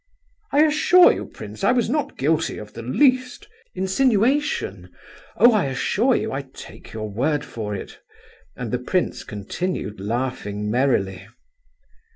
"I assure you, prince, I was not guilty of the least—" "Insinuation? Oh! I assure you, I take your word for it." And the prince continued laughing merrily.